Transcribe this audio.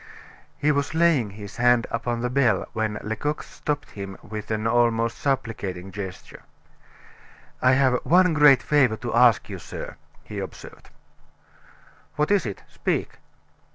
He was laying his hand upon the bell, when Lecoq stopped him with an almost supplicating gesture. "I have one great favor to ask you, sir," he observed. "What is it? speak."